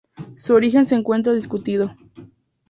Su origen se encuentra discutido.